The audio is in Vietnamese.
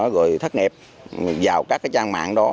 rồi thất nghiệp vào các cái trang mạng đó